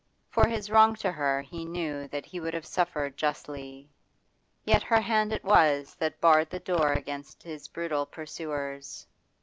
For his wrong to her he knew that he would have suffered justly; yet her hand it was that barred the door against his brutal pursuers.